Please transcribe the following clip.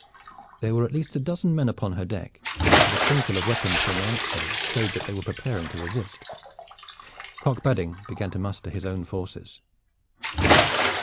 There were at least a dozen men upon her deck, and the twinkle of weapons from amongst them showed that they were preparing to resist. Cock Badding began to muster his own forces.